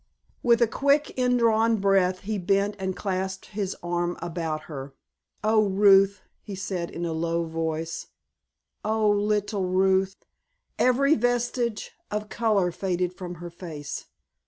With a quick, indrawn breath he bent and clasped his arm about her. "Oh, Ruth," he said in a low voice, "oh, little Ruth!" Every vestige of color faded from her face.